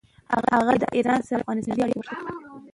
هغه د ایران سره د افغانستان نېږدې اړیکې غوښتې.